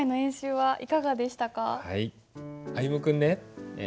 はい。